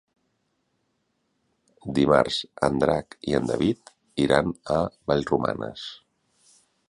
Dimarts en Drac i en David iran a Vallromanes.